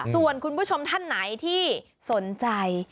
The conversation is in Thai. ส่วนคุณผู้ชมท่านไหนที่สนใจ